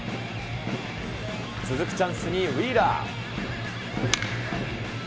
続くチャンスにウィーラー。